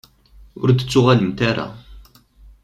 Ur d-tettuɣalemt ara.